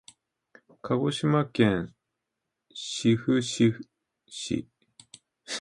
鹿児島県志布志市